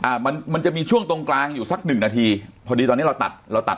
อ่ามันมันจะมีช่วงตรงกลางอยู่สักหนึ่งนาทีพอดีตอนนี้เราตัดเราตัด